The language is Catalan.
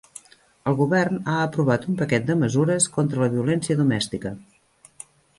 El govern ha aprovat un paquet de mesures contra la violència domèstica.